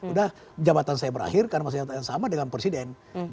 udah jabatan saya berakhir karena masa jawatan saya sama dengan presiden